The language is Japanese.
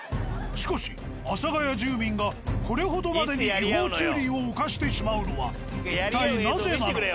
しかし阿佐ヶ谷住民がこれほどまでに違法駐輪を犯してしまうのは一体なぜなのか。